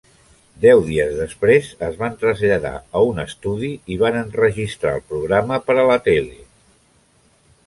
Deu dies després, es van traslladar a un estudi i van enregistrar el programa per a la tele.